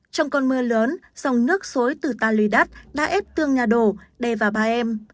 trong con mưa lớn dòng nước sối từ ta lui đất đã ép tường nhà đổ đề vào ba em